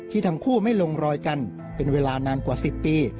ทั้งคู่ไม่ลงรอยกันเป็นเวลานานกว่า๑๐ปี